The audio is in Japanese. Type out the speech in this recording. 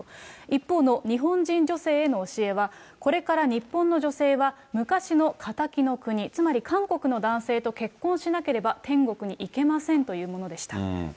一方の日本人女性への教えは、これから日本の女性は昔の敵の国、つまり韓国の男性と結婚しなければ、天国に行けませんというものでした。